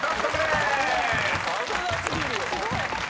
すごい。